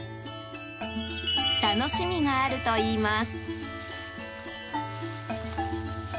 楽しみがあるといいます。